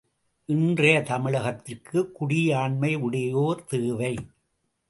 இன்றைய தமிழகத்திற்குக் குடியாண்மையுடையோர் தேவை.